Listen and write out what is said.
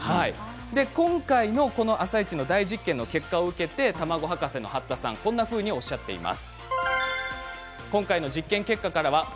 今回の「あさイチ」の実験の結果を受けて卵博士の八田さんはこんなふうにおっしゃっています。